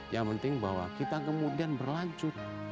yang penting bahwa kita kemudian berlanjut